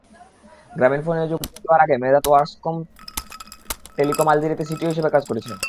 গ্রামীণফোনে যোগ দেয়ার আগে মেদহাত ওরাসকম টেলিকম আলজেরিয়াতে সিটিও হিসেবে কাজ করেছেন।